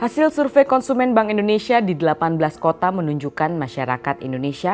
hasil survei konsumen bank indonesia di delapan belas kota menunjukkan masyarakat indonesia